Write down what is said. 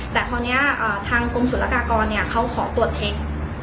แต่พอเนี่ยทางกรมสุรกากรเนี่ยเขาขอตรวจเช็ค